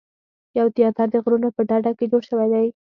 یو تیاتر د غرونو په ډډه کې جوړ شوی دی.